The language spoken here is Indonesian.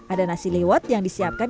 ada nasi liwet yang disiapkan